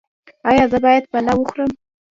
ایا زه باید پلاو وخورم؟